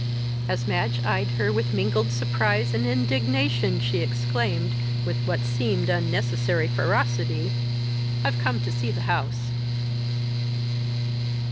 As Madge eyed her with mingled surprise and indignation she exclaimed, with what seemed unnecessary ferocity "I've come to see the house."